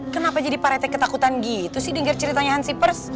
kenapa jadi pak rete ketakutan gitu sih denger ceritanya hansi pers